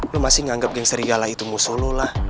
lo masih nganggep geng serialah itu musuh lo lah